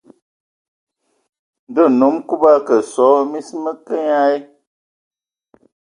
Ndɔ nnom Kub a kǝ sɔ, mis mǝ kǝǝ nye a.